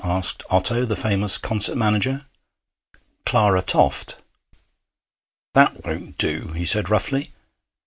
asked Otto, the famous concert manager. 'Clara Toft.' 'That won't do,' he said roughly.